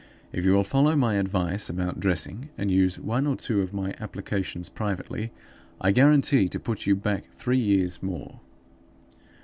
If you will follow my advice about dressing, and use one or two of my applications privately, I guarantee to put you back three years more.